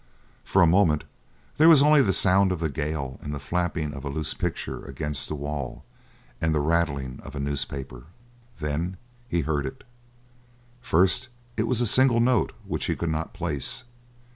For a moment there was only the sound of the gale and the flapping of a loose picture against the wall, and the rattling of a newspaper. Then he heard it. First it was a single note which he could not place.